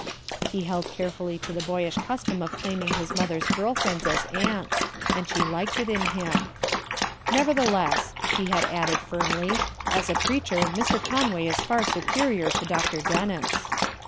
He WHIMS 13 held carefully to the boyish custom of claiming his mother's girl friends as aunts, and she liked it in him :— "Nevertheless," he had added firmly, "as a preacher Mr, Conway is far superior to Dr. Dennis.